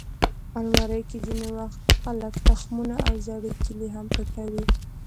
الماري کې ځینې وخت خلک تخمونه او زړې کیلې هم پټوي